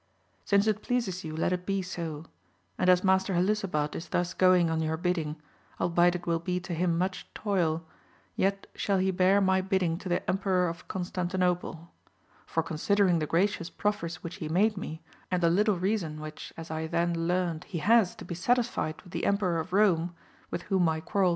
Since it pleases you, let it be so ; and as Master Helisabad is thus going on your bidding, albeit it will be to him much toil, yet shall he bear my bidding to the Emperor of Constantinople. For con sidering the gracious proffers which he made me, and the little reason which as I then learnt he has to be satis fied with the Emperor of Rome, with whom my quarrel &0 AMADIS OF GAUL.